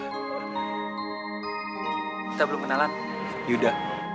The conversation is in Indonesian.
kita belum kenalan yuda